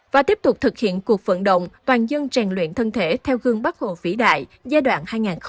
và tiếp tục thực hiện cuộc vận động toàn dân tràn luyện thân thể theo gương bác hộ vĩ đại giai đoạn hai nghìn hai mươi một hai nghìn ba mươi